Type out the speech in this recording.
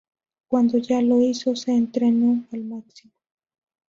Cuando ya lo hizo, se entrenó al máximo.